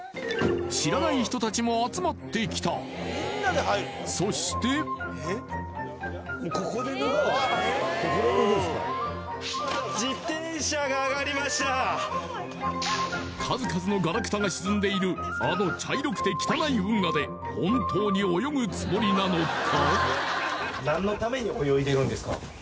知らない人たちも集まってきたそしてここで脱ぐんすかあの茶色くて汚い運河で本当に泳ぐつもりなのか？